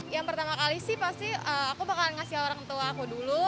yang pertama kali sih pasti aku bakalan ngasih orang tua aku dulu